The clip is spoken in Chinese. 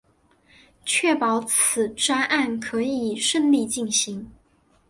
确保此专案可以顺利进行